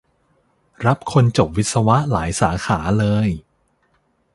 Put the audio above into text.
รับคนจบวิศวะหลายสาขาเลย